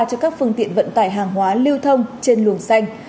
cho các phương tiện vận tải hàng hóa lưu thông trên luồng xanh